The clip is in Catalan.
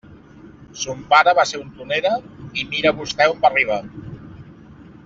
Son pare va ser un tronera, i mire vostè on va arribar.